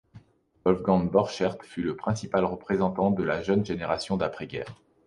Wolfgang Borchert fut le principal représentant de la jeune génération d'après-guerre.